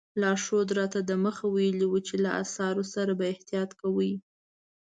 لارښود راته دمخه ویلي وو چې له اثارو سره به احتیاط کوئ.